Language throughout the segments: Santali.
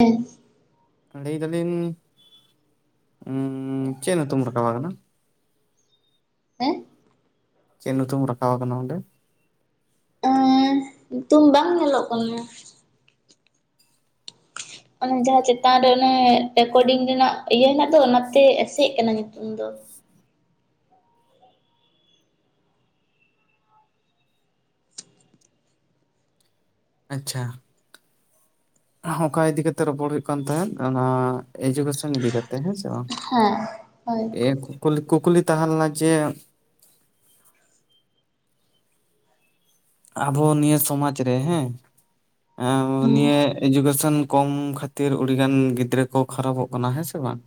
ᱦᱮ ᱞᱟᱹᱭ ᱮᱫᱟᱞᱤᱧ ᱪᱮᱫ ᱧᱩᱛᱩᱢ ᱨᱟᱠᱟᱵᱽ ᱟᱠᱟᱱᱟ? ᱦᱮᱸ ᱪᱮᱫ ᱧᱩᱛᱩᱢ ᱨᱟᱠᱟᱵᱽ ᱟᱠᱟᱱᱟ ᱚᱸᱰᱮ? ᱮᱸ ᱧᱩᱛᱩᱢ ᱵᱟᱝ ᱧᱮᱞᱚᱜ ᱠᱟᱱᱟ ᱾ ᱚᱱᱮ ᱡᱟᱦᱟᱸ ᱪᱮᱛᱟᱱ ᱨᱮ ᱚᱱᱮ ᱨᱮᱠᱚᱨᱰᱤᱝ ᱨᱮᱱᱟᱜ ᱤᱭᱟᱹ ᱦᱮᱱᱟᱜ ᱫᱚ ᱚᱱᱟᱛᱮ ᱮᱥᱮᱜ ᱟᱠᱟᱱᱟ ᱧᱩᱛᱩᱢ ᱤᱧ ᱫᱚ ᱟᱪᱪᱷᱟ ᱚᱠᱟ ᱤᱫᱤᱠᱟ ᱠᱟᱛᱮᱜ ᱨᱚᱯᱚᱲ ᱦᱩᱭᱩᱜ ᱠᱟᱱ ᱛᱟᱦᱮᱸᱫ ᱚᱱᱟ ᱮᱰᱩᱠᱮᱥᱚᱱ ᱤᱫᱤ ᱠᱟᱛᱮᱫ ᱦᱮᱸᱥᱮ ᱛᱚ ᱦᱮᱸ ᱦᱳᱭ ᱮ ᱠᱩᱠᱞᱤ ᱠᱩᱠᱞᱤ ᱛᱟᱦᱮᱸ ᱞᱮᱱᱟ ᱡᱮ ᱟᱵᱚ ᱱᱤᱭᱟᱹ ᱥᱚᱢᱟᱡ ᱨᱮ ᱦᱮᱸ ᱦᱩᱸ ᱱᱤᱭᱟᱹ ᱮᱰᱩᱠᱮᱥᱚᱱ ᱠᱚᱢ ᱠᱷᱟᱹᱛᱤᱨ ᱟᱹᱰᱤᱜᱟᱱ ᱜᱤᱫᱽᱨᱟᱹ ᱠᱚ ᱠᱷᱟᱨᱟᱯᱚᱜ ᱠᱟᱱᱟ, ᱦᱮᱸ ᱥᱮ ᱵᱟᱝ?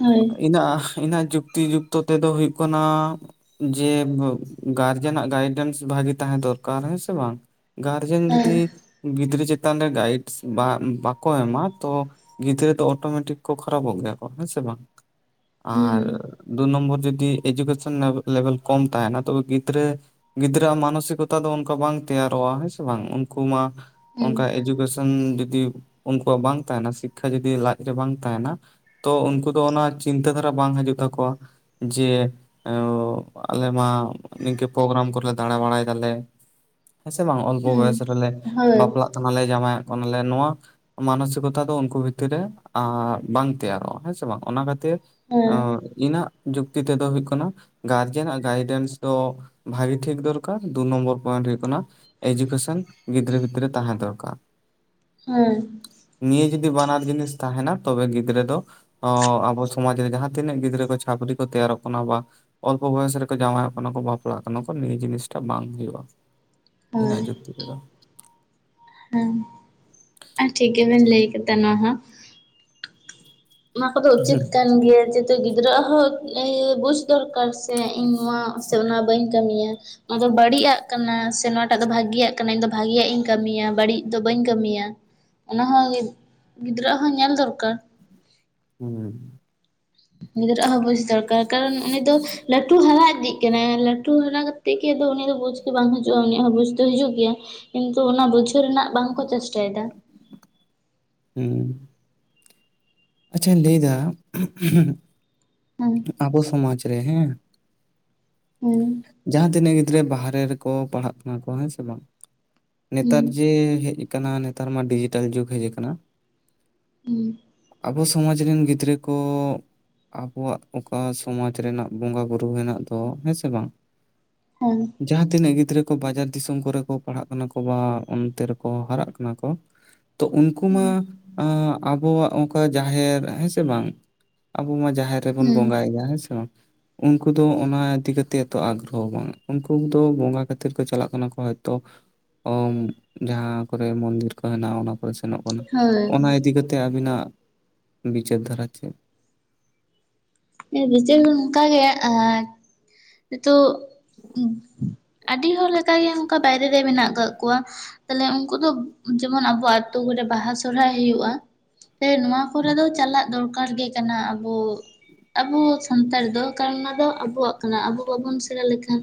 ᱦᱳᱭ ᱤᱧᱟᱹᱜ ᱤᱧᱟᱹᱜ ᱡᱩᱠᱛᱤ ᱡᱩᱠᱛᱚ ᱛᱮᱫᱚ ᱦᱩᱭᱩᱜ ᱠᱟᱱᱟ᱾ ᱡᱮ ᱜᱟᱨᱡᱮᱱᱟᱜ ᱜᱟᱭᱰᱮᱱᱥ ᱵᱷᱟᱜᱤ ᱛᱟᱦᱮᱸ ᱫᱚᱨᱠᱟᱨ ᱦᱮᱸ ᱥᱮ ᱵᱟᱝ ᱜᱟᱨᱡᱮᱱ ᱦᱮᱸ ᱡᱩᱫᱤ ᱜᱤᱫᱽᱨᱟᱹ ᱪᱮᱛᱟᱱ ᱨᱮ ᱜᱟᱭᱤᱰ ᱵᱟᱠᱚ ᱮᱢᱟ ᱛᱚ ᱜᱤᱫᱽᱨᱟᱹ ᱫᱚ ᱚᱴᱳᱢᱮᱴᱤᱠ ᱠᱚ ᱠᱷᱟᱨᱟᱯᱚᱜ ᱜᱮᱭᱟ ᱠᱚ ᱦᱮᱸ ᱥᱮ ᱵᱟᱝ ᱟᱨ ᱦᱩᱸ ᱫᱩ ᱱᱚᱢᱵᱚᱨ ᱡᱩᱫᱤ ᱮᱰᱩᱠᱮᱥᱚᱱ ᱞᱮᱵᱮᱞ ᱠᱚᱢ ᱛᱟᱦᱮᱱᱟ ᱛᱚᱵᱮ ᱜᱤᱫᱽᱨᱟᱹ ᱜᱤᱫᱽᱨᱟᱹ ᱢᱟᱱ ᱡᱚᱛᱚ ᱫᱚ ᱚᱱᱠᱟ ᱵᱟᱝ ᱛᱮᱭᱟᱨᱚᱜᱼᱟ ᱦᱮᱸ ᱵᱟᱝ ᱩᱱᱠᱩ ᱢᱟ ᱦᱩᱸ ᱚᱱᱠᱟ ᱮᱰᱩᱠᱮᱥᱚᱱ ᱡᱩᱫᱤ ᱩᱱᱠᱩᱣᱟᱜ ᱵᱟᱝ ᱛᱟᱦᱮᱱᱟ, ᱥᱤᱠᱠᱷᱟ ᱡᱩᱫᱤ ᱞᱟᱡ ᱨᱮ ᱵᱟᱝ ᱛᱟᱦᱮᱱᱟ ᱛᱚ ᱩᱱᱠᱩ ᱫᱚ ᱚᱱᱟ ᱪᱤᱱᱛᱟᱹ ᱫᱷᱟᱨᱟ ᱵᱟᱝ ᱦᱤᱡᱩᱜ ᱛᱟᱠᱚᱣᱟ᱾ ᱡᱮ ᱟᱞᱮᱢᱟ ᱱᱤᱝᱠᱟᱹ ᱯᱨᱳᱜᱨᱟᱢ ᱠᱚᱨᱮᱞᱮ ᱫᱟᱬᱟ ᱵᱟᱲᱟᱭ᱾ ᱦᱮᱸ ᱥᱮ ᱵᱟᱝ ᱚᱞᱯᱚ ᱦᱩᱸ ᱵᱚᱭᱚᱥ ᱨᱮᱞᱮ ᱦᱳᱭ ᱵᱟᱯᱞᱟᱜ ᱠᱟᱱᱟᱞᱮ ᱡᱟᱶᱟᱭᱚᱜ ᱠᱟᱱᱟᱞᱮ ᱱᱚᱣᱟ ᱢᱟᱱᱚᱥᱤᱠᱚᱛᱟ ᱫᱚ ᱩᱱᱠᱩ ᱵᱷᱤᱛᱤᱨ ᱨᱮ ᱵᱟᱝ ᱛᱮᱭᱟᱨᱚᱜᱼᱟ᱾ ᱦᱮᱸ ᱥᱮ ᱵᱟᱝ ᱚᱱᱟ ᱠᱷᱟᱹᱛᱤᱨ ᱦᱮᱸ ᱚ ᱤᱱᱟ ᱡᱩᱠᱛᱤ ᱛᱮᱫᱚ ᱦᱩᱭᱩᱜ ᱠᱟᱱᱟ ᱜᱟᱨᱡᱮᱱᱟᱜ ᱜᱟᱭᱰᱮᱱᱥ ᱫᱚ ᱵᱷᱟᱹᱜᱤ ᱴᱷᱤᱠ ᱫᱚᱨᱠᱟᱨ ᱫᱩ ᱱᱚᱢᱵᱚᱨ ᱯᱚᱭᱮᱱᱴ ᱦᱩᱭᱩᱜ ᱠᱟᱱᱟ ᱮᱰᱩᱠᱮᱥᱚᱱ ᱜᱤᱫᱽᱨᱟᱹ ᱵᱷᱤᱛᱨᱤ ᱨᱮ ᱛᱟᱦᱮᱸ ᱫᱚᱨᱠᱟᱨ᱾ ᱦᱳᱭ ᱱᱤᱭᱟᱹ ᱡᱩᱫᱤ ᱵᱟᱱᱟᱨ ᱡᱤᱱᱤᱥ ᱛᱟᱦᱮᱱᱟ ᱛᱚᱵᱮ ᱜᱤᱫᱽᱨᱟᱹ ᱫᱚ ᱟᱵᱚ ᱥᱚᱢᱟᱡ ᱨᱮ ᱡᱟᱦᱟᱸ ᱛᱤᱱᱟᱹᱜ ᱜᱤᱫᱽᱨᱟᱹ ᱠᱚ ᱪᱷᱟᱯᱨᱤ ᱠᱚ ᱛᱮᱭᱟᱨᱚᱜ ᱠᱟᱱᱟ ᱵᱟ ᱚᱞᱯᱚ ᱵᱚᱭᱚᱥ ᱨᱮᱠᱚ ᱡᱟᱶᱟᱭᱚᱜ ᱠᱟᱱᱟ ᱠᱚ ᱵᱟᱯᱞᱟᱜ ᱠᱟᱱᱟ ᱠᱚ ᱱᱤᱭᱟᱹ ᱡᱤᱱᱤᱥ ᱵᱟᱝ ᱦᱩᱭᱩᱜᱼᱟ ᱤᱱᱟ ᱦᱳᱭ ᱡᱩᱠᱛᱤ ᱛᱮ ᱫᱚ ᱦᱮᱸ ᱟᱨ ᱴᱷᱤᱠ ᱜᱮᱵᱮᱱ ᱞᱟᱹᱭ ᱠᱮᱫᱟ ᱱᱚᱣᱟ ᱦᱚᱸ᱾ ᱚᱱᱟ ᱠᱚᱫᱚ ᱩᱪᱤᱛ ᱠᱟᱱ ᱜᱮᱭᱟ ᱛᱚ ᱜᱤᱫᱽᱨᱟᱹ ᱟᱜ ᱦᱚᱸ ᱵᱩᱡᱽ ᱫᱚᱨᱠᱟᱨ ᱥᱮ ᱤᱧ ᱱᱚᱣᱟ ᱥᱮ ᱚᱱᱟ ᱵᱟᱹᱧ ᱠᱟᱹᱢᱤᱭᱟ᱾ ᱱᱚᱣᱟᱫᱚ ᱵᱟᱹᱲᱤᱡᱜ ᱠᱟᱱᱟ ᱥᱮ ᱱᱚᱣᱟᱴᱟᱜ ᱫᱚ ᱵᱷᱟᱜᱤᱭᱟᱜ ᱠᱟᱱᱟ ᱤᱧ ᱫᱚ ᱵᱷᱟᱜᱤᱭᱟᱜ ᱤᱧ ᱠᱟᱹᱢᱤᱭᱟ ᱵᱟᱹᱲᱤᱡ ᱫᱚ ᱵᱟᱹᱧ ᱠᱟᱹᱢᱤᱭᱟ᱾ ᱚᱱᱟ ᱦᱚᱸ ᱜᱤᱫᱽᱨᱟᱹ ᱦᱚᱸ ᱧᱮᱞ ᱫᱚᱨᱠᱟᱨ᱾ ᱦᱮᱸ ᱜᱤᱫᱽᱨᱟᱹᱟᱜ ᱦᱚᱸ ᱵᱩᱡᱽ ᱫᱚᱨᱠᱟᱨ ᱠᱟᱨᱚᱱ ᱩᱱᱤ ᱫᱚ ᱞᱟᱹᱴᱩ ᱦᱟᱨᱟ ᱤᱫᱤᱜ ᱠᱟᱱᱟᱭ᱾ ᱛᱩ ᱦᱟᱨᱟ ᱠᱟᱛᱮᱫ ᱜᱮ ᱩᱱᱤ ᱫᱚ ᱵᱩᱡ ᱜᱮ ᱵᱟᱝ ᱦᱤᱡᱩᱜᱼᱟ ᱩᱱᱤᱭᱟᱜ ᱦᱚᱸ ᱵᱩᱡᱽ ᱫᱚ ᱦᱤᱡᱩᱜ ᱜᱮᱭᱟ᱾ ᱠᱤᱱᱛᱩ ᱚᱱᱟ ᱵᱩᱡᱷᱟᱹᱣ ᱨᱮᱱᱟᱜ ᱵᱟᱝᱠᱚ ᱪᱮᱥᱴᱟᱭᱮᱫᱟ᱾ ᱦᱮᱸ ᱟᱪᱪᱷᱟᱧ ᱞᱟᱹᱭ ᱮᱫᱟ ᱦᱮᱸ ᱟᱵᱚ ᱥᱚᱢᱟᱡᱽ ᱨᱮ ᱦᱮᱸ ᱦᱮᱸ ᱡᱟᱦᱟᱸ ᱛᱤᱱᱟᱹᱜ ᱜᱤᱫᱽᱨᱟᱹ ᱵᱟᱦᱨᱮ ᱨᱮᱠᱚ ᱯᱟᱲᱦᱟᱜ ᱠᱟᱱᱟ ᱠᱚ ᱦᱮᱸ ᱥᱮ ᱵᱟᱝ ᱱᱮᱛᱟᱨ ᱦᱮᱸ ᱡᱮ ᱦᱮᱡ ᱠᱟᱱᱟ ᱱᱮᱛᱟᱨ ᱢᱟ ᱰᱤᱡᱤᱴᱮᱞ ᱡᱩᱜᱽ ᱦᱮᱡ ᱟᱠᱟᱱᱟ᱾ ᱦᱩᱸ ᱟᱵᱚ ᱥᱚᱢᱟᱡᱽ ᱨᱤᱱ ᱜᱤᱫᱽᱨᱟᱹ ᱠᱚ ᱟᱵᱚᱣᱟᱜ ᱚᱠᱟ ᱥᱚᱢᱟᱡᱽ ᱨᱮᱱᱟᱜ ᱵᱚᱸᱜᱟ ᱵᱩᱨᱩ ᱦᱮᱱᱟᱜ ᱫᱚ ᱦᱮᱸ ᱥᱮ ᱵᱟᱝ ᱦᱩᱸ ᱡᱟᱦᱟᱸ ᱛᱤᱱᱟᱹᱜ ᱜᱤᱫᱽᱨᱟᱹ ᱠᱚ ᱵᱟᱡᱟᱨ ᱫᱤᱥᱚᱢ ᱠᱚᱨᱮ ᱠᱚ ᱯᱟᱲᱦᱟᱜ ᱠᱟᱱᱟ ᱠᱚ ᱵᱟᱝ ᱚᱱᱛᱮ ᱨᱮᱠᱚ ᱦᱟᱨᱟᱜ ᱠᱟᱱᱟ ᱠᱚ ᱛᱚ ᱩᱱᱠᱩ ᱢᱟ ᱟᱵᱚᱣᱟᱜ ᱚᱱᱠᱟ ᱡᱟᱦᱮᱨ ᱦᱮᱸ ᱥᱮ ᱵᱟᱝ ᱟᱵᱚ ᱢᱟ ᱡᱟᱦᱮᱨ ᱨᱮ ᱵᱚᱱ ᱦᱮᱸ ᱵᱚᱸᱜᱟ ᱭᱮᱜᱼᱟ ᱦᱮᱸ ᱥᱮ ᱵᱟᱝ ᱩᱱᱠᱩ ᱫᱚ ᱚᱱᱟ ᱤᱫᱤ ᱠᱟᱛᱮᱫ ᱵᱟᱝ ᱩᱱᱠᱩ ᱫᱚ ᱵᱚᱸᱜᱟ ᱠᱷᱟᱹᱛᱤᱨ ᱠᱚ ᱪᱟᱞᱟᱜ ᱠᱟᱱᱟ ᱠᱚ ᱦᱚᱭᱛᱳ ᱡᱟᱦᱟᱸ ᱠᱚᱨᱮ ᱢᱚᱱᱫᱤᱨ ᱠᱚ ᱦᱮᱱᱟᱜᱼᱟ ᱚᱱᱟ ᱠᱚ ᱥᱮᱱᱚᱜ ᱠᱟᱱᱟ ᱚᱱᱟ ᱦᱳᱭ ᱤᱫᱤ ᱠᱟᱛᱮ ᱟᱵᱤᱱᱟᱜ ᱵᱤᱪᱟᱹᱨ ᱫᱷᱟᱨᱟ ᱪᱮᱫ ᱰᱤᱡᱴᱮᱞ ᱫᱚ ᱱᱚᱝᱠᱟᱜ ᱜᱮ ᱱᱤᱛᱚᱜ ᱟᱹᱰᱤ ᱦᱚᱲ ᱞᱮᱠᱟᱜ ᱜᱮ ᱚᱱᱠᱟ ᱵᱟᱭᱨᱮ ᱨᱮ ᱢᱮᱱᱟᱜ ᱟᱠᱟᱜ ᱠᱚᱣᱟ᱾ ᱛᱟᱦᱞᱮ ᱩᱱᱠᱩ ᱫᱚ ᱡᱮᱢᱚᱱ ᱟᱵᱚᱣᱟᱜ ᱟᱹᱛᱩ ᱠᱚᱨᱮ ᱵᱟᱦᱟ ᱥᱚᱦᱨᱟᱭ ᱦᱩᱭᱩᱜᱼᱟ᱾ ᱦᱮᱸ ᱱᱚᱣᱟ ᱠᱚᱨᱮ ᱫᱚ ᱪᱟᱞᱟᱜ ᱫᱚᱨᱠᱟᱨ ᱜᱮ ᱠᱟᱱᱟ ᱟᱵᱚ ᱟᱵᱚ ᱥᱟᱱᱛᱟᱲ ᱫᱚ ᱮᱠᱟᱞ ᱚᱱᱟ ᱫᱚ ᱟᱵᱚᱣᱟᱜ ᱠᱟᱱᱟ ᱟᱵᱚ ᱵᱟᱵᱚᱱ ᱥᱮᱬᱟ ᱞᱮᱠᱷᱟᱱ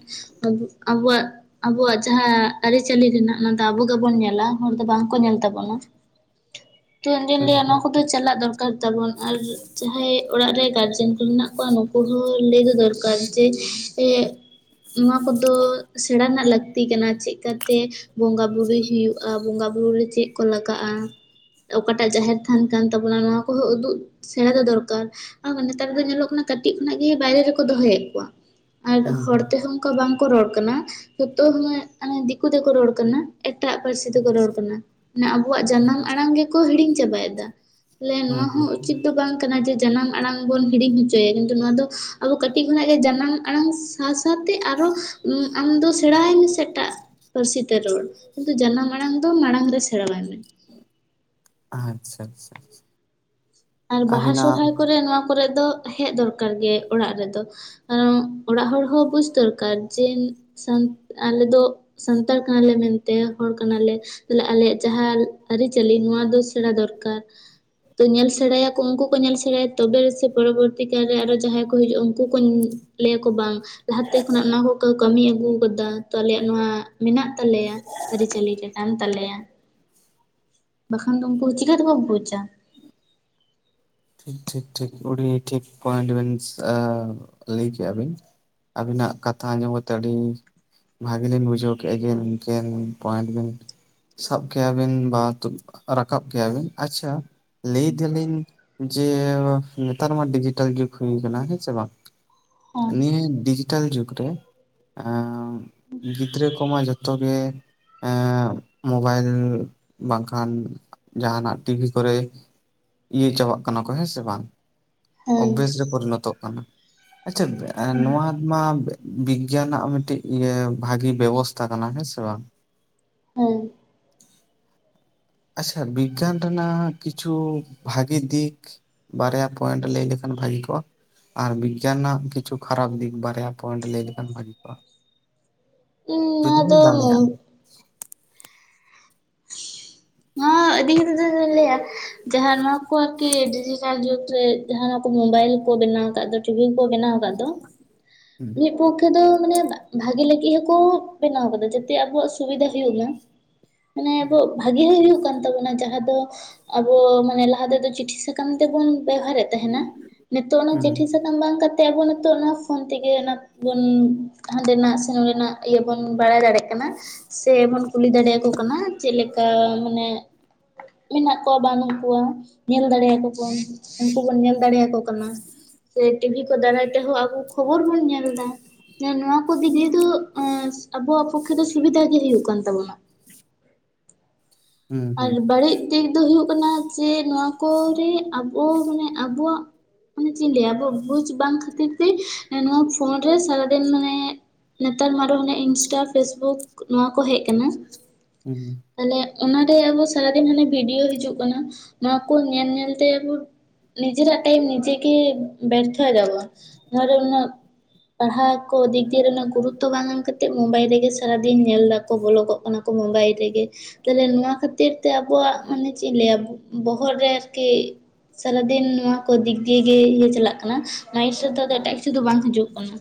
ᱟᱵᱚ ᱣᱟᱜ ᱟᱵᱚᱣᱟᱜ ᱡᱟᱦᱟᱸ ᱟᱹᱨᱤᱪᱟᱹᱞᱤ ᱨᱮᱱᱟᱜ ᱚᱱᱟ ᱫᱚ ᱟᱵᱚ ᱜᱮᱵᱚᱱ ᱧᱮᱞᱟ ᱦᱚᱲ ᱫᱚ ᱵᱟᱝᱠᱚ ᱧᱮᱞ ᱛᱟᱵᱚᱱᱟ ᱪᱮᱫ ᱵᱤᱱ ᱦᱩᱸ ᱞᱟᱹᱭᱟ ᱱᱚᱣᱟ ᱠᱚᱫᱚ ᱪᱟᱞᱟᱜ ᱫᱚᱨᱠᱟᱨ ᱛᱟᱵᱚᱱ ᱟᱨ ᱡᱟᱦᱟᱸᱭ ᱚᱲᱟᱜ ᱨᱮ ᱜᱟᱨᱡᱮᱱ ᱠᱚ ᱢᱮᱱᱟᱜ ᱠᱚᱣᱟ ᱱᱩᱠᱩ ᱦᱚᱸ ᱞᱟᱹᱭ ᱫᱚ ᱫᱚᱨᱠᱟᱨ ᱡᱮ [inaudible] ᱱᱚᱣᱟ ᱠᱚᱫᱚ ᱥᱮᱬᱟ ᱨᱮᱱᱟᱜ ᱞᱟᱹᱠᱛᱤ ᱠᱟᱱᱟ ᱪᱮᱫ ᱠᱟᱛᱮ ᱵᱚᱸᱜᱟ ᱵᱩᱨᱩᱭ ᱦᱩᱭᱩᱜᱼᱟ ᱵᱚᱸᱜᱟ ᱵᱩᱨᱩ ᱨᱮ ᱪᱮᱫ ᱠᱚ ᱞᱟᱜᱟᱜᱼᱟ᱾ ᱚᱠᱟ ᱴᱟᱜ ᱡᱟᱦᱮᱨ ᱛᱷᱟᱱ ᱠᱟᱱ ᱛᱟᱵᱚᱱᱟ ᱱᱚᱣᱟ ᱠᱚᱦᱚᱸ ᱩᱫᱩᱜ ᱥᱮᱬᱟ ᱫᱚ ᱫᱚᱨᱠᱟᱨ ᱱᱮᱛᱟᱨ ᱫᱚ ᱧᱮᱞᱚᱜ ᱠᱟᱱᱟ ᱠᱟᱹᱴᱤᱡ ᱠᱷᱚᱱᱟᱜ ᱜᱮ ᱵᱟᱦᱨᱮ ᱨᱮᱠᱚ ᱫᱚᱦᱚ ᱭᱮᱫ ᱠᱚᱣᱟ ᱟᱨ ᱦᱩᱸ ᱦᱚᱲ ᱦᱩᱸ ᱛᱮ ᱦᱚᱸ ᱚᱱᱠᱟ ᱵᱟᱝᱠᱚ ᱨᱚᱲ ᱠᱟᱱᱟ ᱡᱚᱛᱚ ᱦᱚᱲ ᱢᱟᱱᱮ ᱫᱤᱠᱩ ᱛᱮᱠᱚ ᱨᱚᱲ ᱠᱟᱱᱟ᱾ ᱮᱴᱟᱜ ᱯᱟᱹᱨᱥᱤ ᱛᱮᱠᱚ ᱨᱚᱲ ᱠᱟᱱᱟ ᱢᱟᱱᱮ ᱟᱵᱚᱣᱟᱜ ᱡᱟᱱᱟᱢ ᱟᱲᱟᱝ ᱜᱮᱠᱚ ᱦᱤᱲᱤᱧ ᱪᱟᱵᱟᱭᱮᱫᱟ ᱵᱚᱞᱮ ᱱᱚᱣᱟ ᱦᱩᱸ ᱦᱚᱸ ᱦᱩᱸ ᱩᱪᱤᱛ ᱫᱚ ᱵᱟᱝ ᱠᱟᱱᱟ ᱡᱮ ᱡᱟᱱᱟᱢ ᱟᱲᱟᱝ ᱵᱚᱱ ᱦᱤᱲᱤᱧ ᱦᱚᱪᱚᱭᱟ ᱠᱤᱱᱛᱩ ᱱᱚᱣᱟ ᱫᱚ ᱟᱵᱚ ᱠᱟᱹᱴᱤᱡ ᱠᱷᱚᱱᱟᱜ ᱜᱮ ᱡᱟᱱᱟᱢ ᱟᱲᱟᱝ ᱥᱟᱶᱼᱥᱟᱶᱛᱮ ᱟᱨᱦᱚᱸ ᱟᱢ ᱫᱚ ᱥᱮᱬᱟᱭ ᱢᱮ [inaudible] ᱮᱴᱟᱜ ᱯᱟᱹᱨᱥᱤ ᱛᱮ ᱨᱚᱲ ᱠᱤᱱᱛᱩ ᱡᱟᱱᱟᱢ ᱢᱟᱲᱟᱝ ᱫᱚ ᱢᱟᱲᱟᱝ ᱨᱮ ᱥᱮᱬᱟ ᱦᱟᱭ ᱢᱮ ᱟᱪᱪᱷᱟ ᱟᱪᱪᱷᱟ ᱟᱪᱪᱷᱟ ᱟᱨ ᱵᱟᱦᱟ ᱥᱚᱦᱨᱟᱭ ᱠᱚᱨᱮ ᱱᱚᱣᱟ ᱠᱚᱨᱮ ᱫᱚ ᱦᱮᱡ ᱫᱚᱨᱠᱟᱨ ᱜᱮ ᱚᱲᱟᱜ ᱨᱮᱫᱚ ᱚᱲᱟᱜ ᱦᱚᱲ ᱦᱚᱸ ᱵᱩᱡᱽ ᱫᱚᱨᱠᱟᱨ ᱡᱮ ᱟᱞᱮ ᱫᱚ ᱥᱟᱱᱛᱟᱲ ᱠᱟᱱᱟ ᱞᱮ ᱢᱮᱱᱛᱮ ᱦᱚᱲ ᱠᱟᱱᱟᱞᱮ ᱟᱞᱮᱭᱟᱜ ᱡᱟᱦᱟᱸ ᱟᱹᱨᱤᱼᱪᱟᱹᱞᱤ ᱱᱚᱣᱟ ᱫᱚ ᱥᱮᱬᱟ ᱫᱚᱨᱠᱟᱨ ᱪᱮ ᱧᱮᱞ ᱥᱮᱬᱟᱭᱟᱠᱚ ᱩᱱᱠᱩ ᱠᱚ ᱧᱮᱞ ᱥᱮᱬᱟᱭᱟ ᱛᱚᱵᱮ ᱥᱮ ᱯᱚᱨᱚᱵᱚᱨᱛᱤ ᱠᱟᱞ ᱨᱮ ᱟᱨᱦᱚᱸ ᱡᱟᱦᱟᱸᱭ ᱠᱚ ᱦᱤᱡᱩᱜᱼᱟ ᱩᱱᱠᱩ ᱠᱚ ᱞᱟᱹᱭ ᱭᱟᱠᱚ ᱵᱟᱝ ᱞᱟᱦᱟᱛᱮ ᱠᱷᱚᱱᱟᱜ ᱚᱱᱟ ᱦᱚᱸᱠᱚ ᱠᱟᱹᱢᱤ ᱟᱹᱜᱩ ᱟᱠᱟᱫᱟ ᱛᱚ ᱟᱞᱮᱭᱟᱜ ᱱᱚᱣᱟ ᱢᱮᱱᱟᱜ ᱛᱟᱞᱮᱭᱟ ᱟᱹᱨᱤᱼᱪᱟᱹᱞᱤ ᱞᱮᱠᱟᱱ ᱛᱟᱞᱮᱭᱟ ᱵᱟᱝᱠᱷᱟᱱ ᱫᱚ ᱩᱱᱠᱩ ᱪᱤᱠᱟᱹ ᱛᱮ ᱠᱚ ᱵᱩᱡᱽ ᱮᱫᱟ ᱴᱷᱤᱠ ᱴᱷᱤᱠ ᱴᱷᱤᱠ ᱴᱷᱤᱠ ᱯᱚᱭᱮᱱᱴ ᱵᱤᱱ ᱞᱟᱹᱭ ᱠᱮᱜᱼᱟ ᱵᱤᱱ ᱟᱹᱵᱤᱱᱟᱜ ᱠᱟᱛᱷᱟ ᱟᱸᱡᱚᱢ ᱠᱟᱛᱮᱫ ᱟᱹᱰᱤ ᱱᱚᱣᱟ ᱜᱮᱞᱤᱧ ᱵᱩᱡᱷᱟᱹᱣ ᱠᱮᱫᱼᱟ ᱡᱮ ᱢᱮᱱᱛᱮᱱ ᱯᱚᱭᱮᱱᱴ ᱵᱤᱱ ᱥᱟᱵ ᱠᱮᱭᱟ ᱵᱤᱱ ᱵᱟᱝ ᱨᱮ ᱨᱟᱠᱟᱵ ᱠᱮᱭᱟᱵᱤᱱ ᱟᱪᱪᱷᱟ ᱞᱟᱹᱭ ᱮᱫᱟ ᱞᱤᱧ ᱡᱮ ᱱᱮᱛᱟᱨ ᱢᱟ ᱰᱤᱡᱤᱴᱟᱞ ᱡᱩᱜᱽ ᱦᱩᱭ ᱟᱠᱟᱱᱟ ᱦᱮᱸ ᱥᱮ ᱵᱟᱝ ᱦᱮᱸ ᱱᱤᱭᱟᱹ ᱰᱤᱡᱤᱴᱟᱞ ᱡᱩᱜᱽ ᱨᱮ ᱜᱤᱫᱽᱨᱟᱹ ᱠᱚᱢᱟ ᱡᱚᱛᱚ ᱜᱮ ᱢᱚᱵᱟᱭᱤᱞ ᱵᱟᱝᱠᱷᱟᱱ ᱡᱟᱦᱟᱱᱟᱜ ᱴᱤᱵᱷᱤ ᱠᱚᱨᱮ ᱪᱟᱵᱟᱜ ᱦᱮᱸ ᱥᱮ ᱵᱟᱝ ᱦᱮᱸ ᱯᱚᱨᱤᱱᱚᱛᱚᱜ ᱠᱟᱱᱟ ᱟᱪᱪᱷᱟ ᱱᱚᱣᱟ ᱢᱟ ᱵᱤᱜᱽᱜᱟᱱᱟᱜ ᱢᱤᱫᱴᱤᱡ ᱤᱭᱟᱹ ᱵᱷᱟᱜᱤ ᱵᱮᱵᱚᱥᱛᱟ ᱠᱟᱱᱟ ᱦᱮᱸ ᱥᱮ ᱵᱟᱝ ᱦᱮᱸ ᱟᱪᱷᱟ ᱵᱤᱜᱽᱜᱟᱱ ᱨᱮᱱᱟᱜ ᱠᱤᱪᱷᱩ ᱵᱷᱟᱜᱤ ᱫᱤᱠ ᱵᱟᱨᱭᱟ ᱯᱚᱭᱮᱱᱴ ᱞᱟᱹᱭ ᱞᱮᱠᱷᱟᱱ ᱵᱷᱟᱹᱜᱤ ᱠᱚᱜᱼᱟ ᱟᱨ ᱵᱤᱜᱽᱜᱟᱱ ᱨᱮᱱᱟᱜ ᱠᱤᱪᱷᱩ ᱠᱷᱟᱨᱟᱯ ᱫᱤᱠ ᱵᱟᱨᱭᱟ ᱯᱚᱭᱮᱱᱴ ᱞᱟᱹᱭ ᱞᱮᱠᱷᱟᱱ ᱵᱷᱟᱜᱤ ᱠᱚᱜᱼᱟ ᱤᱧ ᱱᱚᱣᱟ ᱡᱩᱫᱤ ᱫᱚ ᱵᱚᱱ ᱫᱟᱲᱮᱭᱟᱜᱼᱟ ᱟᱹᱰᱤᱱ ᱫᱚ ᱞᱟᱹᱭᱟ ᱡᱟᱦᱟᱸ ᱱᱚᱣᱟ ᱠᱚ ᱟᱨᱠᱤ ᱰᱤᱡᱤᱴᱟᱞ ᱡᱩᱜᱽ ᱡᱟᱦᱟᱸ ᱠᱚ ᱢᱳᱵᱟᱭᱤᱞ ᱠᱚ ᱵᱮᱱᱟᱣ ᱟᱠᱟᱫ ᱫᱚ ᱴᱤᱵᱷᱤ ᱠᱚ ᱵᱮᱱᱟᱣ ᱟᱠᱟᱫ ᱫᱚ ᱦᱩᱸ ᱢᱤᱫ ᱯᱚᱠᱷᱮ ᱫᱚ ᱢᱟᱱᱮ ᱵᱷᱟᱜᱮ ᱞᱟᱹᱜᱤᱫ ᱦᱚᱸᱠᱚ ᱵᱮᱱᱟᱣ ᱟᱠᱟᱫᱟ ᱡᱟᱛᱮ ᱟᱵᱚᱣᱟᱜ ᱥᱩᱵᱤᱫᱷᱟ ᱦᱩᱭᱩᱜᱼᱟ ᱢᱟᱱᱮ ᱟᱵᱚ ᱵᱷᱟᱜᱮ ᱦᱚᱸ ᱦᱩᱭᱩᱜ ᱠᱟᱱ ᱛᱟᱵᱚᱱᱟ ᱡᱟᱦᱟᱸ ᱫᱚ ᱟᱵᱚ ᱢᱟᱱᱮ ᱞᱟᱦᱟ ᱛᱮᱫᱚ ᱪᱤᱴᱷᱤ ᱥᱟᱠᱟᱢ ᱛᱮᱵᱚᱱ ᱵᱮᱣᱦᱟᱨᱮᱫ ᱛᱟᱦᱮᱱᱟ ᱱᱤᱛᱚᱜ ᱚᱱᱟ ᱦᱩᱸ ᱪᱤᱴᱷᱤ ᱥᱟᱠᱟᱢ ᱚᱱᱟ ᱵᱟᱝ ᱠᱟᱛᱮᱫ ᱟᱵᱚ ᱱᱤᱛᱚᱜ ᱚᱱᱟ ᱯᱷᱳᱱ ᱛᱮᱜᱮ ᱚᱱᱟ ᱵᱚᱱ ᱦᱟᱸᱰᱮᱱᱟᱜ ᱥᱮ ᱱᱚᱸᱰᱮᱱᱟᱜ ᱤᱭᱟᱹ ᱵᱚᱱ ᱵᱟᱲᱟᱭ ᱫᱟᱲᱮᱭᱟᱜ ᱠᱟᱱᱟ ᱥᱮ ᱵᱚᱱ ᱠᱩᱞᱤ ᱫᱟᱲᱮᱭᱟᱠᱚ ᱠᱟᱱᱟ ᱪᱮᱫ ᱞᱮᱠᱟ ᱢᱟᱱᱮ ᱢᱮᱱᱟᱜ ᱠᱚᱣᱟ ᱵᱟᱹᱱᱩᱜ ᱠᱚᱣᱟ ᱧᱮᱞ ᱫᱟᱲᱮᱭᱟᱠᱚ ᱠᱚᱣᱟᱢ ᱩᱱᱠᱩ ᱵᱚᱱ ᱧᱮᱞ ᱫᱟᱲᱮ ᱭᱟᱠᱚ ᱠᱟᱱᱟ ᱥᱮ ᱴᱤᱵᱷᱤ ᱠᱚ ᱫᱟᱨᱟᱭ ᱛᱮ ᱦᱚᱸ ᱟᱵᱚ ᱠᱷᱚᱵᱚᱨ ᱵᱚᱱ ᱧᱮᱞ ᱮᱫᱟ ᱮ ᱱᱚᱣᱟ ᱠᱚ ᱫᱤᱠ ᱫᱤᱭᱮ ᱫᱚ ᱟᱵᱚᱣᱟᱜ ᱯᱚᱠᱠᱷᱮ ᱫᱚ ᱥᱩᱵᱤᱫᱷᱟ ᱜᱮ ᱦᱳᱭᱜ ᱠᱟᱱ ᱛᱟᱵᱩᱱᱟ ᱦᱩᱸ ᱟᱨ ᱦᱩᱸ ᱵᱟᱹᱲᱤᱡ ᱫᱤᱠ ᱫᱚ ᱦᱩᱭᱩᱜ ᱠᱟᱱᱟ ᱡᱮ ᱱᱚᱣᱟ ᱠᱚᱨᱮ ᱟᱵᱚ ᱢᱟᱱᱮ ᱟᱵᱚᱣᱟᱜ ᱢᱟᱱᱮ ᱪᱮᱫ ᱤᱧ ᱞᱟᱹᱭᱟ ᱟ ᱵᱩᱡ ᱵᱟᱝ ᱠᱷᱟᱹᱛᱤᱨ ᱛᱮ ᱱᱚᱣᱟ ᱯᱷᱳᱱ ᱨᱮ ᱥᱟᱨᱟᱫᱤᱱ ᱢᱟᱱᱮ ᱱᱮᱛᱟᱨ ᱢᱟ ᱟᱨᱚ ᱦᱱᱟᱮ ᱤᱱᱥᱴᱟ ᱯᱷᱮᱥᱵᱩᱠ ᱱᱚᱣᱟ ᱠᱚ ᱦᱮᱡ ᱟᱠᱟᱱᱟ ᱦᱩᱸ ᱛᱟᱦᱞᱮ ᱚᱱᱟᱨᱮ ᱟᱵᱚ ᱥᱟᱨᱟᱫᱤᱱ ᱦᱟᱱᱮ ᱵᱷᱤᱰᱤᱭᱳ ᱦᱤᱡᱩᱜ ᱠᱟᱱᱟ ᱚᱱᱟ ᱠᱚ ᱧᱮᱞ ᱧᱮᱞᱛᱮ ᱟᱵᱚ ᱱᱤᱡᱮᱨᱟᱜ ᱴᱟᱭᱢ ᱱᱤᱡᱮ ᱜᱮ ᱵᱮᱟᱨᱛᱷᱚ ᱫᱟᱵᱚᱱ ᱱᱚᱣᱟ ᱨᱮ ᱩᱱᱟᱜ ᱯᱟᱲᱦᱟᱣ ᱠᱚ ᱫᱤᱠ ᱫᱤᱭᱮ ᱨᱮᱱᱟᱜ ᱜᱩᱨᱩᱛᱚ ᱵᱟᱝ ᱮᱢ ᱠᱟᱛᱮᱫ ᱢᱳᱵᱟᱭᱤᱞ ᱨᱮᱜᱮ ᱥᱟᱨᱟᱫᱤᱱ ᱧᱮᱞ ᱫᱟᱠᱚ ᱵᱚᱞᱚᱜᱚᱜ ᱠᱟᱱᱟ ᱠᱚ ᱢᱳᱵᱟᱭᱤᱞ ᱨᱮᱜᱮ ᱛᱟᱦᱚᱞᱮ ᱱᱚᱣᱟ ᱠᱷᱟᱹᱛᱤᱨ ᱛᱮ ᱟᱵᱚᱣᱟᱜ ᱢᱟᱱᱮ ᱪᱮᱫ ᱤᱧ ᱞᱟᱹᱭᱟ ᱵᱚᱦᱚᱜ ᱨᱮ ᱟᱨᱠᱤ ᱥᱟᱨᱟᱫᱤᱱ ᱱᱚᱣᱟ ᱠᱚ ᱫᱤᱠ ᱫᱤᱭᱮ ᱜᱮ ᱤᱭᱟᱹ ᱪᱟᱞᱟᱜ ᱠᱟᱱᱟ ᱱᱚᱣᱟ ᱦᱥᱟᱹ ᱫᱚ ᱮᱴᱟᱜ ᱠᱤᱪᱷᱩ ᱫᱚ ᱵᱟᱝ ᱦᱤᱡᱩᱜ ᱠᱟᱱᱟ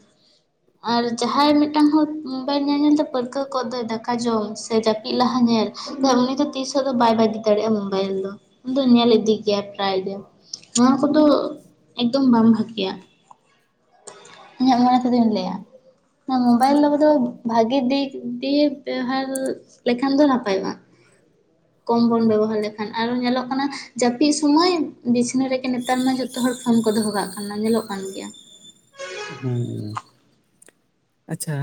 ᱟᱨ ᱡᱟᱦᱟᱸᱭ ᱢᱤᱫᱴᱟᱝ ᱦᱚᱲ ᱢᱚᱵᱟᱤᱞ ᱧᱮᱞ ᱧᱮᱞᱛᱮ ᱯᱟᱹᱨᱠᱟᱹᱣ ᱠᱚᱜ ᱫᱚᱭ ᱫᱟᱠᱟ ᱡᱚᱢ ᱥᱮ ᱡᱟᱹᱯᱤᱫ ᱞᱟᱦᱟ ᱧᱮᱞ ᱩᱱᱤ ᱫᱚ ᱛᱤᱥ ᱦᱚᱸ ᱫᱚ ᱵᱟᱭ ᱵᱟᱜᱤ ᱫᱟᱲᱮᱭᱟᱜᱼᱟ ᱢᱳᱵᱟᱭᱤᱞ ᱫᱚ ᱩᱱᱤ ᱫᱚ ᱧᱮᱞ ᱤᱫᱤ ᱜᱮᱭᱟᱭ ᱯᱨᱟᱭ ᱜᱮ ᱱᱚᱣᱟ ᱠᱚᱫᱚ ᱮᱠᱫᱚᱢ ᱵᱟᱝ ᱵᱷᱟᱜᱮᱭᱟ ᱤᱧᱟᱜ ᱢᱚᱱᱮ ᱛᱮᱫᱩᱧ ᱞᱟ. ᱭ- ᱟ ᱢᱳᱵᱟᱭᱤᱞ ᱫᱚ ᱵᱳᱫᱷᱚᱭ ᱵᱷᱟᱜᱤ ᱫᱤᱠ ᱫᱤᱭᱮ ᱵᱮᱣᱦᱟᱨ ᱞᱮᱠᱷᱟᱱ ᱫᱚ ᱱᱟᱯᱟᱭᱚᱜ-ᱟ ᱠᱚᱢ ᱵᱚᱱ ᱵᱮᱵᱚᱦᱟᱨ ᱞᱮᱠᱷᱟᱱ ᱟᱨᱚ ᱧᱮᱞᱚᱜ ᱠᱟᱱᱟ ᱡᱟᱹᱯᱤᱫ ᱥᱩᱢᱚᱭ ᱵᱤᱪᱷᱱᱟᱹ ᱨᱮᱜᱮ ᱱᱮᱛᱟᱨ ᱢᱟ ᱡᱚᱛᱚ ᱦᱚᱲ ᱯᱷᱳᱱ ᱠᱚ ᱫᱚᱦᱚ ᱠᱟᱜ ᱠᱟᱱᱟ ᱧᱮᱞᱚᱜ ᱠᱟᱱ ᱜᱮᱭᱟ ᱦᱮᱸ [inaudible] ᱟᱪᱷᱟ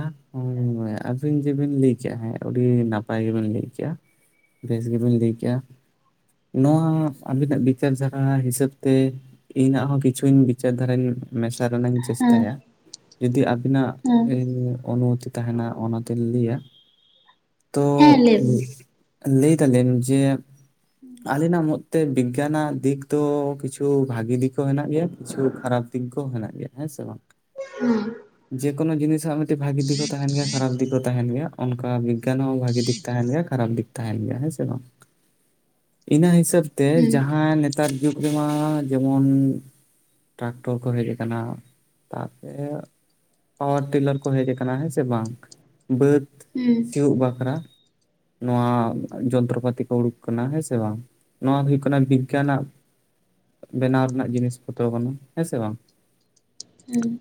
ᱟᱹᱵᱤᱱ ᱡᱮᱵᱤᱱ ᱞᱟᱹᱭ ᱠᱮᱫᱟ ᱦᱮᱸ ᱟᱹᱰᱤ ᱱᱟᱯᱟᱭ ᱜᱮᱵᱤᱱ ᱞᱟᱹᱭ ᱠᱮᱫᱟ ᱵᱮᱥ ᱜᱮᱵᱤᱱ ᱞᱟᱹᱭ ᱠᱮᱫᱟ ᱱᱚᱣᱟ ᱟᱵᱤᱱᱟᱜ ᱵᱤᱪᱟᱨ ᱫᱷᱟᱨᱟ ᱦᱤᱥᱟᱹᱵ ᱛᱮ ᱤᱧᱟᱜ ᱦᱚᱸ ᱠᱤᱪᱷᱩᱧ ᱵᱤᱪᱟᱹᱨ ᱫᱷᱟᱨᱟᱧ ᱢᱮᱥᱟ ᱨᱮᱱᱟᱜ ᱤᱧ ᱦᱮᱸ ᱛᱟᱭᱟ ᱡᱩᱫᱤ ᱟᱵᱤᱱᱟᱜ ᱦᱮᱸ ᱤᱧ ᱩᱱᱩᱢᱚᱛᱤ ᱛᱟᱦᱮᱱᱟ ᱚᱱᱟᱛᱤᱧ ᱞᱟᱹᱭᱟ ᱛᱚ ᱦᱮᱸ ᱞᱟᱹᱭ ᱵᱤᱱ ᱞᱟᱹᱭᱫᱟᱞᱮᱧ ᱡᱮ ᱟᱞᱮ ᱱᱟᱜ ᱛᱮ ᱵᱤᱜᱽᱜᱟᱱᱟᱜ ᱫᱤᱠ ᱫᱚ ᱠᱤᱪᱷᱩ ᱵᱷᱟᱜᱤ ᱫᱤᱠ ᱦᱚᱸ ᱦᱮᱱᱟᱜ ᱜᱮᱭᱟ ᱠᱤᱪᱷᱩ ᱠᱷᱟᱨᱟᱯ ᱫᱤᱠ ᱦᱚᱸ ᱦᱮᱱᱟᱜ ᱜᱮᱭᱟ ᱦᱮᱸ ᱥᱮ ᱵᱟᱝ ᱦᱮᱸ ᱡᱮᱠᱳᱱᱳ ᱡᱤᱱᱤᱥᱟᱜ ᱢᱤᱫᱴᱮᱱ ᱵᱷᱟᱜᱤ ᱫᱤᱠ ᱦᱚᱸ ᱛᱟᱦᱮᱱ ᱜᱮᱭᱟ ᱠᱷᱟᱨᱟᱯ ᱫᱤᱠ ᱦᱚᱸ ᱛᱟᱦᱮᱱ ᱜᱮᱭᱟ ᱚᱱᱠᱟ ᱵᱤᱜᱽᱜᱟᱱ ᱦᱚᱸ ᱵᱷᱟᱜᱤ ᱫᱤᱠ ᱛᱟᱦᱮᱱ ᱜᱮᱭᱟ ᱠᱷᱟᱨᱟᱯ ᱫᱤᱠ ᱛᱟᱦᱮᱱ ᱜᱮᱭᱟ ᱦᱮᱸ ᱥᱮ ᱵᱟᱝ [inaudible] ᱤᱱᱟᱹ ᱦᱤᱥᱟᱹᱵ ᱛᱮ ᱦᱮᱸ ᱡᱟᱦᱟᱸ ᱱᱮᱛᱟᱨ ᱡᱩᱜᱽ ᱨᱮᱢᱟ ᱡᱮᱢᱚᱱ ᱴᱨᱟᱠᱴᱚᱨ ᱠᱚ ᱦᱮᱡ ᱟᱠᱟᱱᱟ ᱛᱟᱯᱚᱨᱮ ᱯᱟᱣᱟᱨ ᱴᱤᱞᱟᱨ ᱠᱚ ᱦᱮᱡ ᱟᱠᱟᱱᱟ ᱦᱮᱸ ᱥᱮ ᱵᱟᱝ ᱵᱟᱹᱫ ᱦᱮᱸ ᱥᱤᱭᱳᱜ ᱵᱟᱠᱷᱨᱟ ᱱᱚᱣᱟ ᱡᱚᱱᱛᱨᱚᱯᱟᱛᱤ ᱠᱚ ᱩᱰᱩᱠ ᱟᱠᱟᱱᱟ ᱦᱮᱸ ᱥᱮ ᱵᱟᱝ ᱱᱚᱣᱟ ᱦᱩᱭᱩᱜᱳ ᱠᱟᱱᱟ ᱵᱤᱜᱽᱜᱟᱱᱟᱜ ᱵᱮᱱᱟᱣ ᱨᱮᱱᱟᱜ ᱡᱤᱱᱤᱥ ᱯᱚᱛᱨᱚ ᱠᱟᱱᱟ ᱦᱮᱸ ᱥᱮ ᱵᱟᱝ ᱦᱮᱸ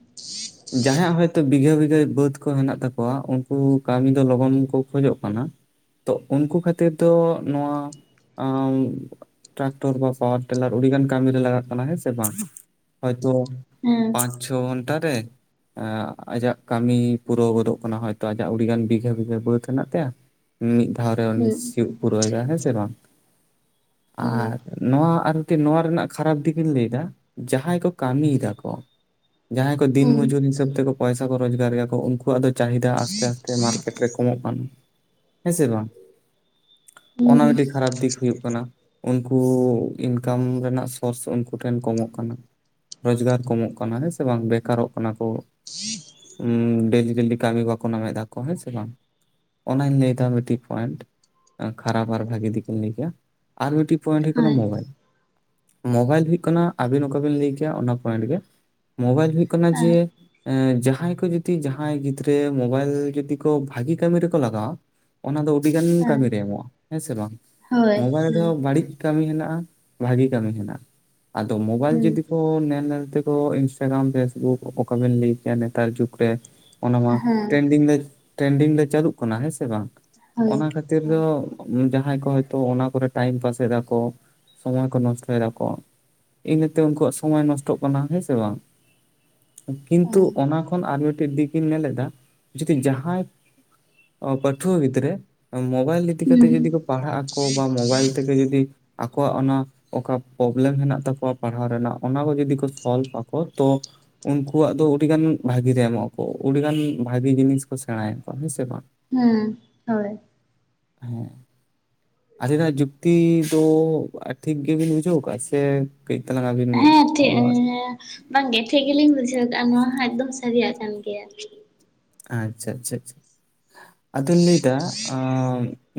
ᱡᱟᱦᱟᱸᱦᱭᱟᱜ ᱦᱚᱭᱛᱳ ᱵᱤᱜᱷᱟᱹ ᱵᱤᱜᱷᱟᱹ ᱵᱟᱹᱫ ᱠᱚ ᱦᱮᱱᱟᱜ ᱛᱟᱠᱚᱣᱟ ᱩᱱᱠᱩ ᱠᱟᱹᱢᱤ ᱫᱚ ᱞᱚᱜᱚᱱ ᱠᱚ ᱠᱷᱚᱡᱚᱜ ᱠᱟᱱᱟ ᱛᱚ ᱩᱱᱠᱩ ᱠᱷᱟᱹᱛᱤᱨ ᱫᱚ ᱱᱚᱣᱟ ᱟ ᱴᱨᱟᱠᱴᱚᱨ ᱵᱟ ᱯᱟᱣᱟᱨᱴᱤᱞᱟᱨ ᱟᱹᱰᱤᱜᱟᱱ ᱠᱟᱹᱢᱤ ᱨᱮ ᱞᱟᱜᱟᱜ ᱠᱟᱱᱟ ᱦᱮᱸ ᱥᱮ ᱵᱟᱝ? ᱦᱚᱭᱛᱚ ᱯᱟᱸᱪ ᱪᱷᱚ ᱜᱷᱚᱱᱴᱟ ᱨᱮ ᱟᱡᱟᱜ ᱠᱟᱹᱢᱤ ᱯᱩᱨᱟᱹᱣ ᱜᱚᱫᱚᱜ ᱠᱟᱱᱟ ᱦᱚᱭᱛᱳ ᱟᱡᱟᱜ ᱟᱹᱰᱤᱜᱟᱱ ᱵᱤᱜᱷᱟᱹ ᱵᱤᱜᱷᱟᱹ ᱵᱟᱹᱫ ᱦᱮᱱᱟᱜ ᱛᱟᱭᱟ ᱢᱤᱫ ᱫᱷᱟᱣ ᱨᱮ ᱩᱱᱤ ᱦᱮᱸ ᱥᱤᱭᱳᱜ ᱯᱩᱨᱟᱹᱣᱮᱫᱟᱭ ᱦᱮᱸ ᱥᱮ ᱵᱟᱝ ᱟᱨ ᱱᱚᱣᱟ ᱟᱨᱠᱤ ᱱᱚᱣᱟ ᱨᱮᱱᱟᱜ ᱠᱷᱟᱨᱟᱯ ᱫᱤᱠ ᱤᱧ ᱞᱟᱹᱭᱫᱟ ᱡᱟᱦᱟᱸᱭ ᱠᱚ ᱠᱟᱹᱢᱤᱭ ᱫᱟᱠᱚ ᱡᱟᱦᱟᱸᱦ ᱠᱚ ᱫᱤᱱ ᱦᱮᱸ ᱢᱩᱡᱩᱨᱤ ᱦᱤᱥᱟᱹᱵ ᱛᱮᱠᱚ ᱯᱚᱭᱥᱟ ᱠᱚ ᱨᱳᱡᱽᱜᱟᱨ ᱨᱮᱭᱟ ᱠᱚ ᱩᱱᱠᱩᱣᱟᱜ ᱫᱚ ᱪᱟᱹᱦᱤᱫᱟ ᱟᱥᱛᱮ ᱟᱥᱛᱮ ᱢᱟᱨᱠᱮᱴ ᱨᱮ ᱠᱚᱢᱚᱜ ᱠᱟᱱᱟ ᱦᱮᱸ ᱥᱮ ᱵᱟᱝ ᱚᱱᱟ ᱢᱤᱫᱴᱮᱱ ᱠᱷᱟᱨᱟᱯ ᱫᱤᱠ ᱦᱩᱭᱩᱜ ᱠᱟᱱᱟ ᱩᱱᱠᱩ ᱤᱱᱠᱟᱢ ᱨᱮᱱᱟᱜ ᱥᱳᱨᱥ ᱩᱱᱠᱩ ᱴᱷᱮᱱ ᱠᱚᱢᱚᱜ ᱠᱟᱱᱟ ᱨᱳᱡᱽᱜᱟᱨ ᱠᱚᱢᱚᱜ ᱠᱟᱱᱟ ᱦᱮᱸ ᱥᱮ ᱵᱟᱝ ᱵᱮᱠᱟᱨᱚᱜ ᱠᱟᱱᱟ ᱠᱚ ᱰᱮᱞᱤ ᱰᱮᱞᱤ ᱠᱟᱹᱢᱤ ᱵᱟᱠᱚ ᱱᱟᱢᱮᱫ ᱫᱟ ᱠᱚ ᱦᱮᱸ ᱥᱮ ᱵᱟᱝ ᱚᱱᱟᱧ ᱞᱟᱹᱭᱮᱫᱟ ᱢᱤᱫᱴᱤᱡ ᱯᱚᱭᱮᱱᱴ ᱠᱷᱟᱨᱟᱯ ᱟᱨ ᱵᱷᱟᱜᱤ ᱫᱤᱠᱤᱧ ᱞᱟᱹᱭ ᱠᱮᱭᱟ ᱟᱨ ᱢᱤᱫᱴᱤ ᱯᱚᱭᱮᱱᱴ ᱦᱩᱭᱩᱜ ᱠᱟᱱᱟ ᱦᱮᱸ ᱢᱳᱵᱟᱭᱤᱞ ᱢᱳᱵᱟᱭᱤᱞ ᱦᱩᱭᱩᱜ ᱠᱟᱱᱟ ᱟᱹᱵᱤᱱ ᱚᱠᱟ ᱵᱤᱱ ᱞᱟᱹᱭ ᱠᱮᱭᱟ ᱚᱱᱟ ᱯᱚᱭᱮᱱᱴ ᱜᱮ ᱢᱳᱵᱟᱭᱤᱞ ᱦᱩᱭᱩᱜ ᱠᱟᱱᱟ ᱡᱮ ᱡᱟᱦᱟᱸᱭ ᱠᱚ ᱡᱩᱫᱤ ᱡᱟᱦᱟᱸᱭ ᱜᱤᱫᱽᱨᱟᱹ ᱢᱳᱵᱟᱭᱤᱞ ᱡᱩᱫᱤ ᱠᱚ ᱵᱷᱟᱹᱜᱤ ᱠᱟᱹᱢᱤ ᱨᱮᱠᱚ ᱞᱟᱜᱟᱣᱟ ᱚᱱᱟ ᱫᱚ ᱚᱹᱰᱤ ᱜᱟᱱ ᱦᱮᱸ ᱠᱟᱹᱢᱤ ᱨᱮ ᱮᱢᱚᱜᱼᱟ, ᱦᱮᱸ ᱥᱮ ᱵᱟᱝ? ᱦᱳᱭ ᱢᱳᱵᱟᱭᱤᱞ ᱦᱮᱸ ᱨᱮᱦᱚᱸ ᱵᱟᱹᱲᱤᱡᱽ ᱠᱟᱹᱢᱤ ᱦᱮᱱᱟᱜᱼᱟ ᱵᱷᱟᱜᱤ ᱠᱟᱹᱢᱤ ᱦᱮᱱᱟᱜᱼᱟ ᱟᱫᱚ ᱢᱳᱵᱟᱭᱤᱞ ᱦᱮᱸ ᱦᱳᱭ ᱡᱩᱫᱤ ᱠᱚ ᱧᱮᱞ ᱧᱮᱞ ᱛᱮ ᱚ ᱤᱱᱥᱴᱟᱜᱨᱟᱢ ᱯᱷᱮᱥᱵᱩᱠ ᱚᱠᱟᱵᱮᱱ ᱞᱟᱹᱭ ᱠᱮᱭᱟ ᱱᱮᱛᱟᱨ ᱡᱩᱜᱽ ᱨᱮ ᱚᱱᱟ ᱦᱮᱸ ᱢᱟ ᱦᱮᱸ ᱴᱨᱮᱱᱰᱤᱝ ᱞᱮ ᱴᱨᱮᱱᱰᱤᱝ ᱞᱮ ᱪᱟᱹᱫᱩᱜ ᱠᱟᱱᱟ ᱦᱮᱸ ᱥᱮ ᱵᱟᱝ ᱦᱮᱸ ᱦᱳᱭ ᱚᱱᱟ ᱠᱷᱟᱹᱛᱤᱨ ᱫᱚ ᱡᱟᱦᱟᱸᱭ ᱠᱚ ᱦᱚᱭᱛᱳ ᱚᱱᱟ ᱠᱚᱨᱮ ᱴᱟᱭᱤᱢ ᱯᱟᱥ ᱮᱟ ᱠᱚ ᱥᱚᱢᱚᱭ ᱠᱚ ᱱᱚᱥᱴᱚᱭ ᱫᱟ ᱠᱚ ᱤᱛᱮ ᱩᱱᱠᱩᱣᱟᱜ ᱥᱚᱢᱚᱭ ᱱᱚᱥᱴᱚᱜ ᱠᱟᱱᱟ ᱦᱮᱸ ᱥᱮ ᱵᱟᱝ ᱠᱤᱱᱛᱩ ᱦᱮᱸ ᱚᱱᱟ ᱠᱷᱚᱱ ᱟᱨ ᱢᱤᱫᱴᱮᱱ ᱫᱤᱠ ᱤᱧ ᱱᱮᱞᱮᱫᱟ ᱡᱩᱚᱫᱤ ᱡᱟᱦᱟᱸᱭ ᱚ ᱯᱟᱴᱷᱩᱶᱟᱹ ᱜᱤᱫᱽᱨᱟᱹ ᱢᱳᱵᱟᱭᱤᱞ ᱤᱫᱤ ᱠᱟᱛᱮᱜ ᱦᱮᱸ ᱡᱚᱫᱤ ᱠᱚ ᱯᱟᱲᱦᱟᱜ ᱟᱠᱚ ᱵᱟ ᱢᱳᱵᱟᱭᱤᱞ ᱛᱮᱜᱮ ᱡᱚᱫᱤ ᱟᱠᱚᱣᱟᱜ ᱚᱱᱟ ᱚᱠᱟ ᱯᱨᱚᱵᱮᱞᱮᱢ ᱦᱮᱱᱟᱜ ᱛᱟᱠᱚᱣᱟ ᱯᱟᱲᱦᱟᱣ ᱨᱮᱱᱟᱜ ᱚᱱᱟ ᱠᱚ ᱡᱚᱫᱤ ᱠᱚ ᱥᱚᱞᱵᱷ ᱟᱠᱚ᱾ ᱛᱚ ᱩᱱᱠᱩᱣᱟᱜ ᱫᱚ ᱟᱹᱰᱤ ᱜᱟᱱ ᱵᱷᱟᱜᱤ ᱨᱮ ᱮᱢᱚᱜ ᱟᱠᱚ ᱚᱹᱰᱤ ᱜᱟᱱ ᱵᱷᱟᱜᱤ ᱡᱤᱱᱤᱥ ᱠᱚ ᱥᱮᱬᱟᱭᱟᱠᱚ ᱦᱮᱸ ᱥᱮ ᱵᱟᱝ? ᱦᱮᱸ ᱦᱳᱭ ᱦᱮᱸ ᱟᱹᱞᱤᱱᱟᱜ ᱡᱩᱠᱛᱤ ᱫᱚ ᱴᱷᱤᱠ ᱜᱮᱵᱤᱱ ᱵᱩᱡᱷᱟᱹᱣ ᱟᱠᱟᱜ ᱥᱮ ᱠᱟᱹᱡ ᱛᱟᱞᱟᱝ ᱟᱹᱵᱤᱱ ᱴᱷᱤᱠ [unintelligible] ᱦᱮᱸ ᱵᱟᱝᱜᱮ ᱴᱷᱤᱠ ᱜᱮᱞᱤᱧ ᱵᱩᱡᱷᱟᱹᱣ ᱠᱟᱜᱼᱟ᱾ ᱱᱚᱣᱟ ᱦᱟᱸᱜ ᱮᱠᱫᱚᱢ ᱥᱟᱹᱨᱤᱭᱟᱜ ᱠᱟᱱ ᱜᱮᱭᱟ᱾ ᱟᱪᱪᱷᱟ ᱟᱪᱪᱷᱟ [unintelligible] ᱟᱫᱚ ᱞᱤᱧ ᱞᱟᱹᱭ ᱫᱟ ᱟᱻ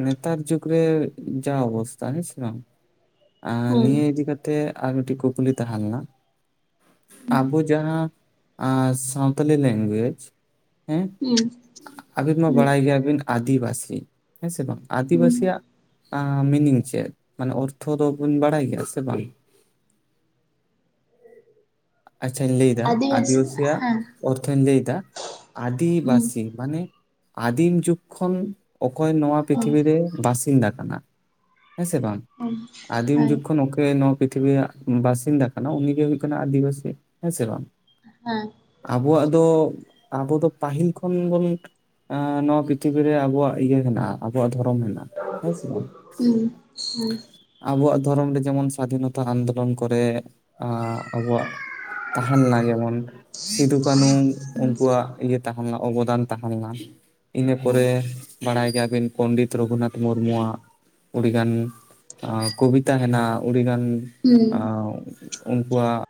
ᱱᱮᱛᱟᱨ ᱡᱩᱜ ᱨᱮ ᱡᱟ ᱚᱵᱚᱥᱛᱷᱟ ᱦᱮᱸ ᱥᱮ ᱵᱟᱝ? ᱟᱨ ᱦᱩᱸ ᱱᱤᱭᱟᱹ ᱤᱫᱤ ᱠᱟᱛ ᱛᱮ ᱟᱨ ᱢᱤᱫᱴᱤᱡ ᱠᱩᱠᱞᱤ ᱛᱟᱦᱮᱸ ᱞᱮᱱᱟ ᱟᱵᱚ ᱡᱟᱦᱟᱸ ᱟ ᱥᱟᱶᱛᱟᱞᱤ ᱞᱮᱱᱜᱩᱭᱮᱡᱽ ᱦᱮᱸ ᱦᱩᱸ ᱟᱹᱵᱤᱱ ᱢᱟ ᱦᱩᱸ ᱵᱟᱲᱟᱭ ᱜᱮᱭᱟᱵᱤᱱ ᱟᱹᱫᱤᱵᱟᱹᱥᱤ ᱦᱮᱸ ᱥᱮ ᱵᱟᱝ? ᱦᱩᱸ ᱟᱹᱫᱤᱵᱟᱹᱥᱤᱭᱟᱜ ᱟ ᱢᱤᱱᱤᱝ ᱪᱮᱫ ᱢᱟᱱᱮ ᱚᱨᱛᱷᱚ ᱫᱚᱵᱚᱱ ᱵᱟᱲᱟᱭ ᱜᱮᱭᱟ ᱥᱮ ᱵᱟᱝ? ᱟᱪᱪᱷᱟᱧ ᱞᱟᱹᱭᱫᱟ ᱟᱹᱫᱤᱵᱟᱹᱥᱤ ᱟᱹᱫᱤᱵᱟᱹᱥᱤᱭᱟᱜ ᱦᱮᱸ ᱚᱨᱛᱷᱚᱧ ᱞᱟᱹᱭᱫᱟ ᱦᱩᱸ ᱟᱹᱫᱤᱵᱟᱹᱥᱤ ᱢᱟᱱᱮ ᱟᱹᱫᱤᱢ ᱡᱩᱜᱽ ᱠᱷᱚᱱ ᱚᱠᱚᱭ ᱱᱚᱣᱟ ᱦᱩᱸ ᱯᱨᱤᱛᱷᱤᱵᱤᱨ ᱨᱮ ᱵᱟᱥᱤᱱᱫᱟ ᱠᱟᱱᱟ᱾ ᱦᱮᱸ ᱥᱮ ᱵᱟᱝ? ᱦᱩᱸ ᱟᱹᱫᱤᱢ ᱦᱳᱭ ᱡᱩᱜᱽ ᱠᱷᱚᱱ ᱚᱠᱚᱭᱮ ᱱᱚᱣᱟ ᱯᱤᱛᱷᱤᱵᱤ ᱭᱟᱜ ᱵᱟᱥᱤᱱᱫᱟ ᱠᱟᱱᱟ, ᱩᱱᱤ ᱜᱮ ᱦᱩᱭᱩᱜ ᱠᱟᱱᱟ ᱟᱹᱫᱤᱵᱟᱹᱥᱤ ᱦᱮᱸ ᱥᱮ ᱵᱟᱝ? ᱦᱮᱸ ᱟᱵᱚᱣᱟᱜ ᱫᱚ ᱟᱵᱚ ᱫᱚ ᱯᱟᱹᱦᱤᱞ ᱠᱷᱚᱱ ᱵᱚᱱ ᱱᱚᱣᱟ ᱯᱤᱛᱷᱤᱵᱤᱨ ᱨᱮ ᱟᱵᱩᱣᱟᱜ ᱤᱭᱟᱹ ᱦᱮᱱᱟᱜᱼᱟ, ᱟᱵᱚᱣᱟᱜ ᱫᱷᱚᱨᱚᱢ ᱦᱮᱱᱟᱜᱼᱟ᱾ ᱦᱮᱸ ᱥᱮ ᱵᱟᱝ ᱤᱧ ᱥᱮ ᱟᱵᱚᱣᱟᱜ ᱫᱷᱚᱨᱚᱢ ᱨᱮ ᱡᱮᱢᱚᱱ ᱥᱟᱫᱷᱤᱱᱚᱛᱟ ᱟᱱᱫᱳᱞᱚᱱ ᱠᱚᱨᱮ ᱟᱸ ᱟᱵᱚᱣᱟᱜ ᱛᱟᱦᱮᱸ ᱞᱮᱱᱟ ᱡᱮᱢᱚᱱ ᱥᱤᱫᱩ ᱠᱟᱱᱩ ᱩᱱᱠᱩᱣᱟᱜ ᱤᱭᱟᱹ ᱛᱟᱦᱮᱸ ᱞᱮᱱᱟ᱾ ᱚᱵᱚᱫᱟᱱ ᱛᱟᱦᱮᱸ ᱞᱮᱱᱟ᱾ ᱤᱱᱟᱹ ᱦᱩᱸ ᱯᱚᱨᱮ ᱵᱟᱲᱟᱭ ᱜᱮᱭᱟᱵᱤᱱ ᱯᱚᱱᱰᱤᱛ ᱨᱚᱜᱷᱩᱱᱟᱛᱷ ᱢᱩᱨᱢᱩᱣᱟᱜ ᱩᱹᱰᱤᱜᱟᱱ ᱠᱚᱵᱤᱛᱟ ᱦᱮᱱᱟᱜᱼᱟ᱾ ᱩᱹᱰᱤᱜᱟᱱ ᱦᱩᱸ ᱟ ᱩᱱᱠᱩᱣᱟᱜ